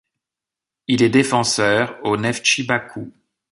Il est défenseur au Neftchi Bakou.